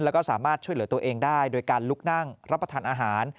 แล้วก็สามารถช่วยเหลือตัวเองได้โดยการลุกนั่งรับประทานอาหาร